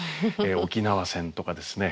「沖縄戦」とかですね